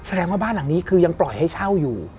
แสดงว่าบ้านหลังนี้คือยังปล่อยให้เช่าอยู่